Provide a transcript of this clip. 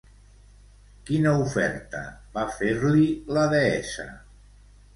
Quina oferta va fer-li la deessa?